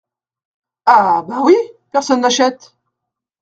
Ah ! ben oui ! personne n’achète !…